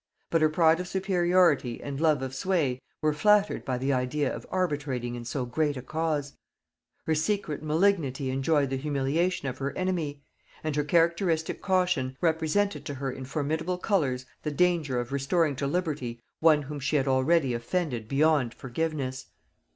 But her pride of superiority and love of sway were flattered by the idea of arbitrating in so great a cause; her secret malignity enjoyed the humiliation of her enemy; and her characteristic caution represented to her in formidable colors the danger of restoring to liberty one whom she had already offended beyond forgiveness.